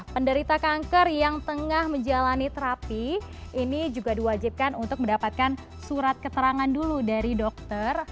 penderita kanker yang tengah menjalani terapi ini juga diwajibkan untuk mendapatkan surat keterangan dulu dari dokter